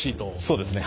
そうですね。